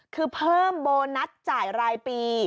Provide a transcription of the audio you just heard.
คือเพิ่มโบนัสจ่ายรายปี